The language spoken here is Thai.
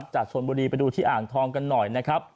จากชนบุรีไปดูที่อ่างทองกันหน่อยนะครับ